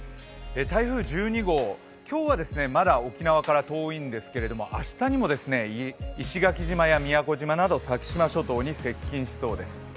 台風１２号、今日はまだ沖縄から遠いんですけれども、明日にも石垣島や宮古島など先島諸島に接近しそうです。